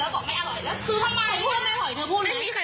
ของ๑๙ของ๑๙อ่ะ